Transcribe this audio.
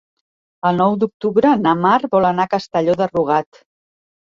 El nou d'octubre na Mar vol anar a Castelló de Rugat.